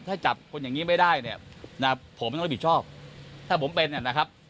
ถ้าจับคนอย่างนี้ไม่ได้เนี่ยนะผมต้องรับผิดชอบถ้าผมเป็นเนี่ยนะครับ